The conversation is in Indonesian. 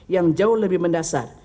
yang jauh lebih mendasar